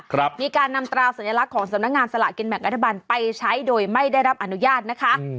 มีการนำตราสัญลักษณ์ของสำนักงานสลากินแบ่งรัฐบาลไปใช้โดยไม่ได้รับอนุญาตนะคะอืม